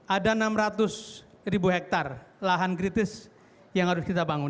ada enam ratus ribu hektare lahan kritis yang harus kita bangun